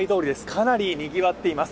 かなりにぎわっています。